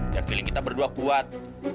dan feeling kita berdua kuat